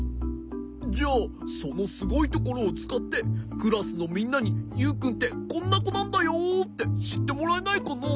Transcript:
じゃあそのすごいところをつかってクラスのみんなにユウくんってこんなこなんだよってしってもらえないかな？